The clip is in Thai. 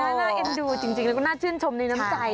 น่าเอ็นดูจริงแล้วก็น่าชื่นชมในน้ำใจ